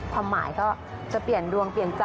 ความหมายก็จะเปลี่ยนดวงเปลี่ยนใจ